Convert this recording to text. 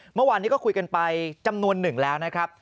เมื่อวานนี้ก็คุยกันไปจำนวนหนึ่งแล้วนะครับ